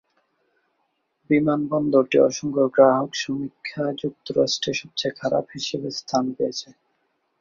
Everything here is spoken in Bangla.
বিমানবন্দরটি অসংখ্য গ্রাহক সমীক্ষায় যুক্তরাষ্ট্রে সবচেয়ে খারাপ হিসাবে স্থান পেয়েছে।